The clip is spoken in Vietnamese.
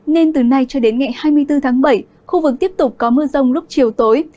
nên từ nay cho đến ngày hai mươi bốn tháng bảy khu vực tiếp tục có mưa rông lúc chiều tối